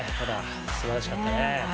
すばらしかったね。